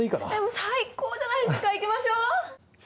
最高じゃないですか、行きましょう。